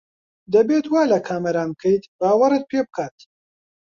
دەبێت وا لە کامەران بکەیت باوەڕت پێ بکات.